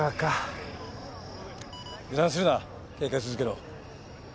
ピピッ油断するな警戒続けろ。